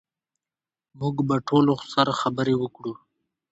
موږ به ټولو سره خبرې وکړو